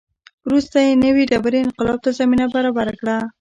وروسته یې نوې ډبرې انقلاب ته زمینه برابره کړه.